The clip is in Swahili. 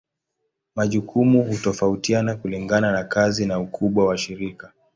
Majukumu hutofautiana kulingana na kazi na ukubwa wa shirika.